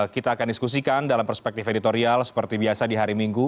kita akan diskusikan dalam perspektif editorial seperti biasa di hari minggu